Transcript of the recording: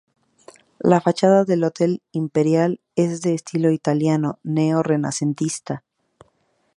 La fachada del hotel Imperial es de estilo italiano neo-renacentista.